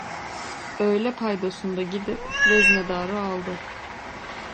Öğle paydosunda gidip veznedarı aldı.